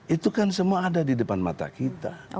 itu kan semua ada di depan mata kita